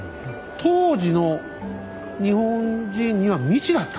当時の日本人には未知だった。